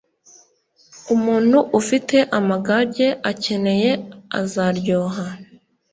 Umuntu ufite amagage akeneye azaryoha